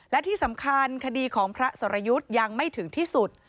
และที่สำคัญคดีของพระสรยุทธ์ยังไม่ถึงที่สุด